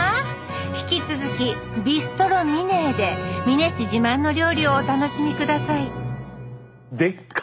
引き続き「ビストロ・ミネ」で美祢市自慢の料理をお楽しみ下さいでっか！